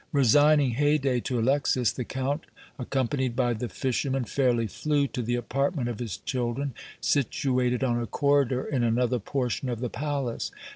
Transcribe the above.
Resigning Haydée to Alexis, the Count, accompanied by the fishermen, fairly flew to the apartment of his children, situated on a corridor in another portion of the palace.